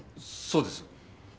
そうです。